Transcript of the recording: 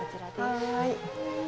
はい。